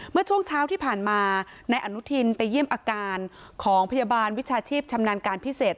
เมื่อช่วงเช้าที่ผ่านมานายอนุทินไปเยี่ยมอาการของพยาบาลวิชาชีพชำนาญการพิเศษ